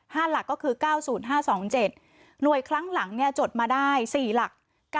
๕หลักก็คือ๙๐๕๒๗หน่วยครั้งหลังจดมาได้๔หลัก๙๓๕๙